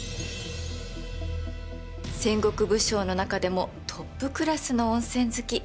戦国武将の中でもトップクラスの温泉好き武田信玄です。